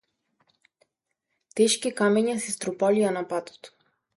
Тешки камења се струполија на патот.